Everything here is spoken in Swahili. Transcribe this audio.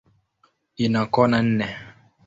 Ina kona nne.